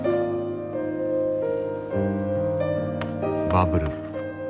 バブル。